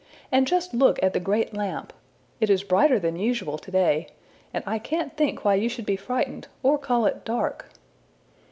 And just look at the great lamp! It is brighter than usual today, and I can't think why you should be frightened, or call it dark!''